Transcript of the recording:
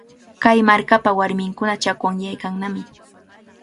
Kay markapa warminkuna chakwanyaykannami.